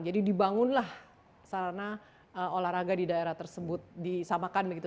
jadi dibangunlah sarana olahraga di daerah tersebut disamakan begitu